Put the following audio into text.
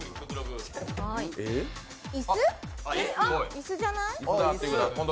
椅子じゃない？